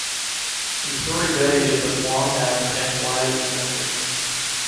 Oussouri Bay is as long as and wide at it’s entrance.